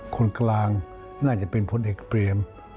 คนกลางน่าจะเป็นพลเอกเปรม